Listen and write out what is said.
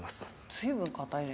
随分硬いね。